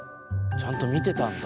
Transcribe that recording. ちゃんと見てたんだ。